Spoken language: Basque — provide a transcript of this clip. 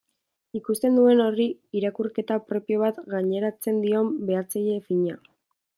Ikusten duen horri irakurketa propio bat gaineratzen dion behatzaile fina.